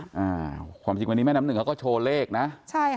อ่าความจริงวันนี้แม่น้ำหนึ่งเขาก็โชว์เลขนะใช่ค่ะ